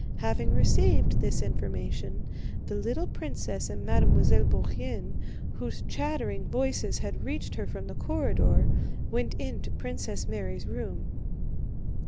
Having received this information, the little princess and Mademoiselle Bourienne, whose chattering voices had reached her from the corridor, went into Princess Mary's room.